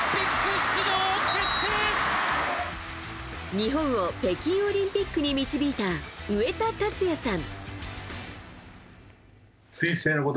日本を北京オリンピックに導いた植田辰哉さん。